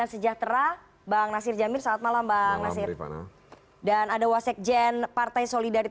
selamat malam pak puwadi